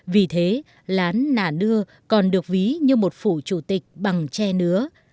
vì thế lán nà nưa còn được ví như một phủ chủ tịch bằng tre nứa